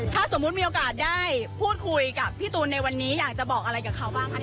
ถ้าสมมุติมีโอกาสได้พูดคุยกับพี่ตูนในวันนี้อยากจะบอกอะไรกับเขาบ้างคะ